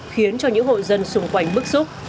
khiến cho những hội dân xung quanh bức xúc